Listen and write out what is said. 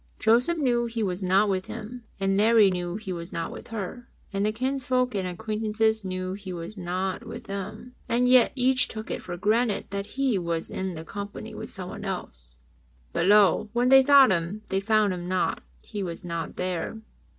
Joseph knew He was not with him, and Mary knew He was not with her, and the kinsfolks and acquaintances knew He was not with them, and yet each took it for granted that He was in the company with someone else. But lo ! when they sought Him, they found Him not ; He was not there.